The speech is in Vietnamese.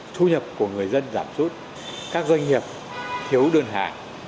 thu nhập của người dân giảm sút các doanh nghiệp thiếu đơn hàng